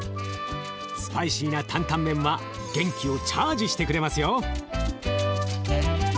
スパイシーなタンタン麺は元気をチャージしてくれますよ。